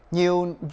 nhiều doanh thu